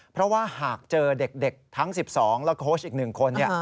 เพราะว่าหากเจอเด็กทั้ง๑๒และโค้ชอีก๑คน